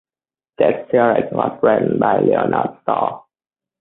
This series was written by Leonard Starr.